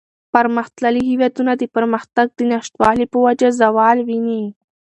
پرمختللي هېوادونه د پرمختگ د نشتوالي په وجه زوال ویني.